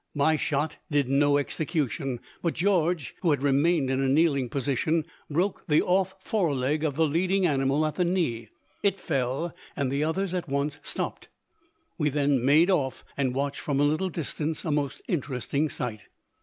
My shot did no execution, but George, who had remained in a kneeling position, broke the off foreleg of the leading animal at the knee. It fell, and the others at once stopped. We then made off, and watched from a little distance a most interesting sight.